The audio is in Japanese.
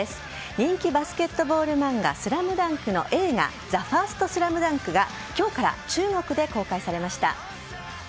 人気バスケットボール漫画「ＳＬＡＭＤＵＮＫ」の映画「ＴＨＥＦＩＲＳＴＳＬＡＭＤＵＮＫ」が今日から中国で公開されました。